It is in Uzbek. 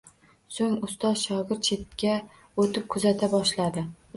Soʻng ustoz-shogird chetga oʻtib kuzata boshladi